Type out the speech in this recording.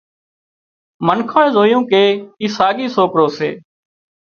منکانئي زويون ڪي اي ساڳي سوڪرو سي